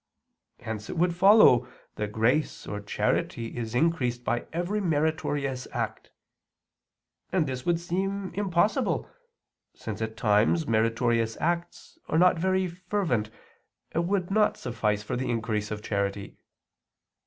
Hence it would follow that grace or charity is increased by every meritorious act; and this would seem impossible since at times meritorious acts are not very fervent, and would not suffice for the increase of charity.